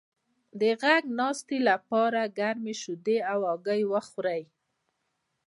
د غږ د ناستې لپاره ګرمې شیدې او هګۍ وخورئ